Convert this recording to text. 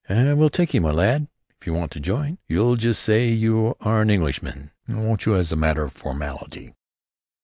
"We'll take you, my lad, if you want to join. You'll just say you are an Englishman, won't you, as a matter of formality?"